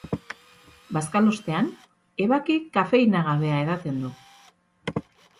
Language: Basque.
Bazkalostean, ebaki kafeinagabea edaten du.